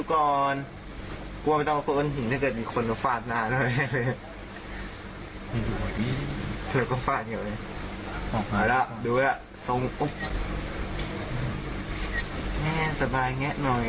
ขนมขบเคี้ยวบุรีอีก๘ซอง